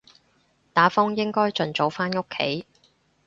打風應該盡早返屋企